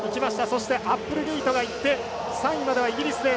そしてアップルゲイトがいって３位まではイギリス勢。